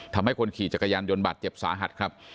ทำให้คนขี่จักรยานยนต์บาดเจ็บสาหัสครับ